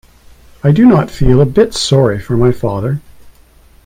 I did not feel a bit sorry for my father.